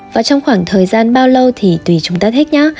và trong khoảng thời gian bao lâu thì tùy chúng ta thích nhát